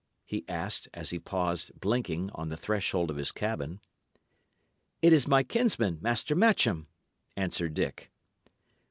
he asked, as he paused, blinking, on the threshold of his cabin. "It is my kinsman, Master Matcham," answered Dick.